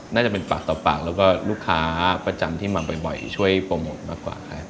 น่าจะเป็นปากต่อปากแล้วก็ลูกค้าประจำที่มาบ่อยช่วยโปรโมทมากกว่าครับ